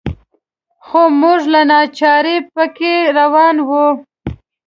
خو موږ له ناچارۍ په کې روان وو.